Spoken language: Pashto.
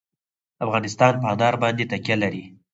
افغانستان په انار باندې تکیه لري.